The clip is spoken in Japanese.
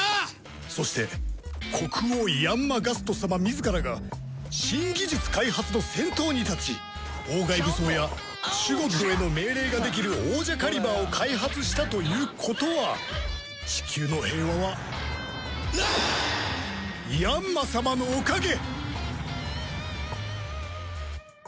そして国王ヤンマ・ガスト様自らが新技術開発の先頭に立ち王鎧武装やシュゴッドへの命令ができるオージャカリバーを開発したということはチキューの平和はヤンマ様のおかげ！